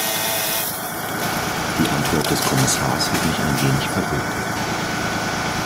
Die Antwort des Kommissars hat mich ein wenig verwirrt.